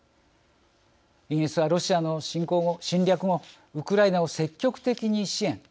イギリスはロシアの侵略後ウクライナを積極的に支援。